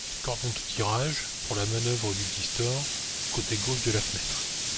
Cordon de tirage, pour la manœuvre dudit store, côté gauche de la fenêtre.